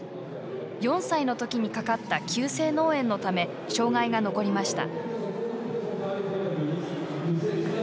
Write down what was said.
４歳の時にかかった急性脳炎のため障がいが残りました。